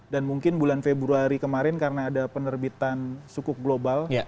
dan mungkin bulan februari kemarin karena ada penerbitan sukuk global